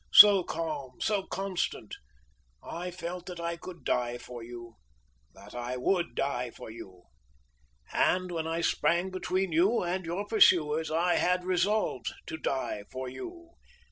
so calm! so constant I felt that I could die for you that I would die for you. And when I sprang between you and your pursuers, I had resolved to die for you.